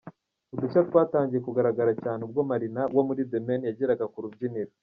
Udushya twatangiye kugaragara cyane ubwo Marina wo muri The Mane yageraga ku rubyiniro.